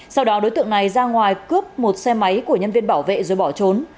sau đó đối tượng này ra ngoài cướp một xe máy của nhân viên bảo vệ rồi bỏ trốn